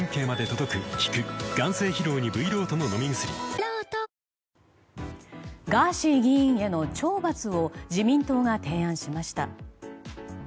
本麒麟ガーシー議員への懲罰を自民党が提案しました。